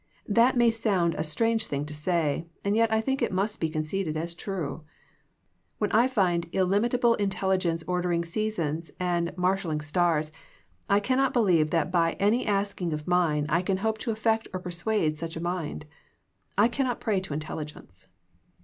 That may sound a strange thing to say, and yet I think it must be conceded as true. When I find illimit able intelligence ordering seasons and mar shalling stars I cannot believe that by any asking of mine I can hope to affect or persuade such a mind. I cannot pray to intelligence.